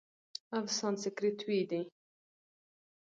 او سانسکریت ویی دی،